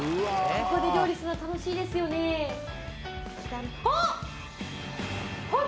ここで料理するのは楽しいですよねあっ！